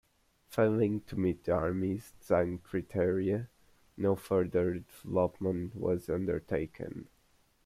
Failing to meet the army's design criteria, no further development was undertaken.